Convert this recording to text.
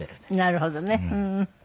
なるほどねうん。